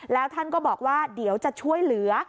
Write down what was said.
แล้วท่านก็บอกว่าเดี๋ยวจะช่วยเหลือ